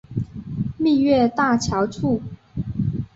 蜜月大桥处。